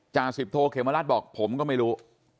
จ่าสิบโทเขมรัฐบอกผมก็ไม่รู้